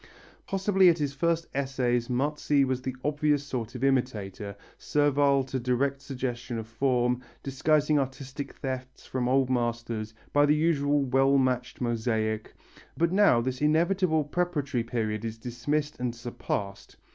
Possibly at his first essays Marzi was the obvious sort of imitator, servile to direct suggestion of form, disguising artistic thefts from old masters by the usual well matched mosaic, but now this inevitable preparatory period is dismissed and surpassed.